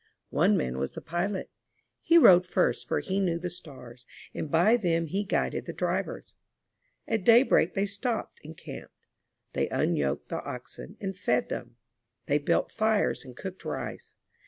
One man was the pilot. He rode first for he knew the stars, and by them he guided the drivers. At daybreak they stopped and camped. They unyoked the oxen, and fed them. They built fires and cooked rice.